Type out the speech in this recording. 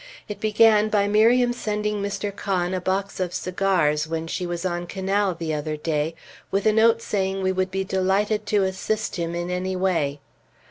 It began by Miriam sending Mr. Conn a box of cigars when she was on Canal the other day, with a note saying we would be delighted to assist him in anyway.